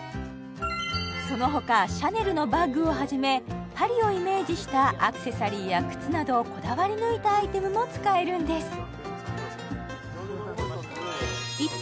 そのほかシャネルのバッグをはじめパリをイメージしたアクセサリーや靴などこだわり抜いたアイテムも使えるんです一方